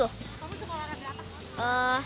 kamu suka olahraga apa